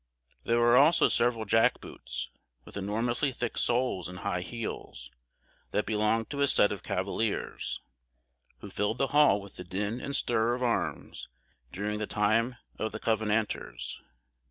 There are also several jack boots, with enormously thick soles and high heels, that belonged to a set of cavaliers, who filled the Hall with the din and stir of arms during the time of the Covenanters.